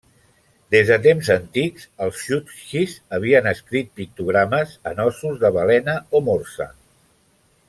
Des de temps antics, els txuktxis havien escrit pictogrames en ossos de balena o morsa.